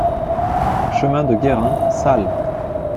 Chemin de Guérin, Salles